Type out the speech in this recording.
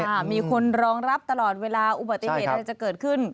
มีคนรองรับตลอดเวลาอุบัติเหตุอะไรจะเกิดขึ้น